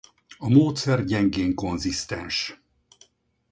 A módszer gyengén konzisztens.